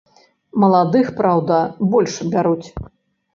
Маладых, праўда, больш бяруць.